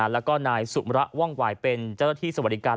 แล้วก็นายสุมระว่องวายเป็นเจ้าหน้าที่สวัสดิการ